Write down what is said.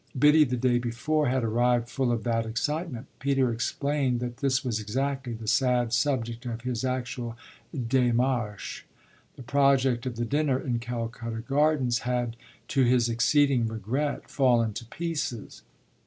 Biddy, the day before, had arrived full of that excitement. Peter explained that this was exactly the sad subject of his actual démarche: the project of the dinner in Calcutta Gardens had, to his exceeding regret, fallen to pieces.